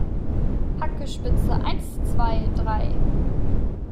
Hacke, Spitze, eins, zwei, drei!